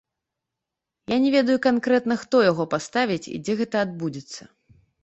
Я не ведаю канкрэтна, хто яго паставіць і дзе гэта адбудзецца.